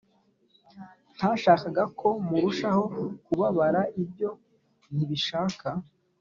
Ntashakaga ko murushaho kubabara ibyo ntibishaka